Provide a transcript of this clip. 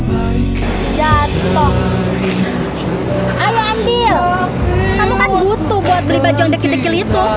kamu kan butuh buat beli baju yang dekil dekil itu